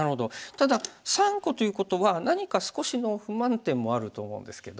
ただ３個ということは何か少しの不満点もあると思うんですけど。